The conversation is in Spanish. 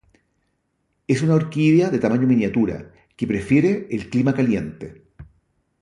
Es una orquídea de tamaño miniatura, que prefiere el clima caliente.